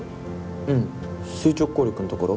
うん垂直抗力のところ？